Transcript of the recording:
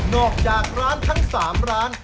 อกจากร้านทั้ง๓ร้าน